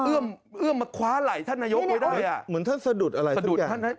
เอื้อมมาคว้าไหล่ท่านนโยคไว้ได้